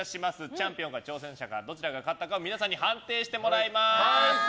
チャンピオンか挑戦者かどちらが良かったか皆さんに判定してもらいます。